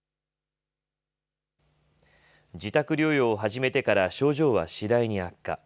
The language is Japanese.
自宅療養を始めてから症状は次第に悪化。